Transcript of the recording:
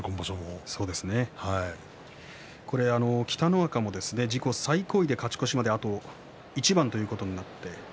北の若も自己最高位で勝ち越しまであと一番と迫りました。